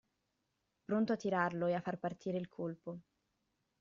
Pronto a tirarlo e a far partire il colpo.